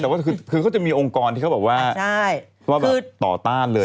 แต่ว่าคือเขาจะมีองค์กรที่เขาบอกว่าว่าแบบต่อต้านเลย